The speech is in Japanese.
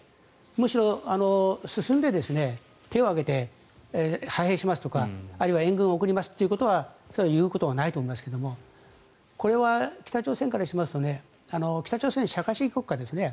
むしろ進んで、手を挙げて派兵しますとかあるいは援軍を送りますということを言うことはないと思いますがこれは北朝鮮からしますと北朝鮮は社会主義国家ですね。